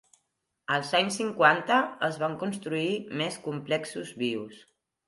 Als anys cinquanta, es van construir més complexos vius.